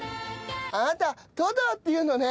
あなたトトロっていうのね！